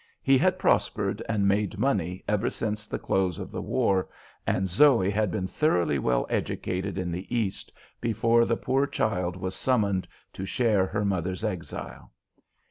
He had prospered and made money ever since the close of the war, and Zoe had been thoroughly well educated in the East before the poor child was summoned to share her mother's exile.